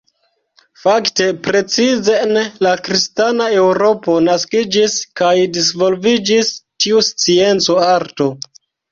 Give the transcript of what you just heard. Fakte precize en la kristana eŭropo naskiĝis kaj disvolviĝis tiu scienco-arto.